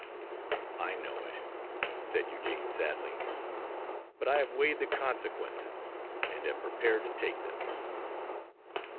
"I know it," said Eugene, sadly, "but I have weighed the consequences, and am prepared to take them."